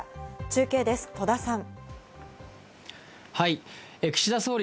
中継です、戸田さん。